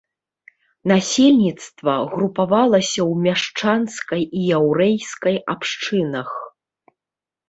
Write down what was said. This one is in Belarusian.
Насельніцтва групавалася ў мяшчанскай і яўрэйскай абшчынах.